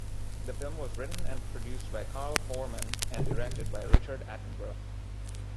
The film was written and produced by Carl Foreman and directed by Richard Attenborough.